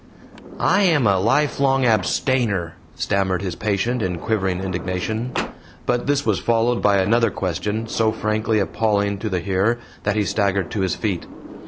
"I am a lifelong abstainer," stammered his patient in quivering indignation. But this was followed by another question so frankly appalling to the hearer that he staggered to his feet.